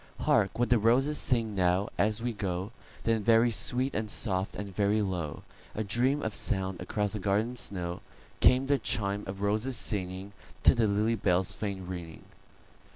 "Hark what the roses sing now, as we go;"Then very sweet and soft, and very low,—A dream of sound across the garden snow,—Came the chime of roses singingTo the lily bell's faint ringing.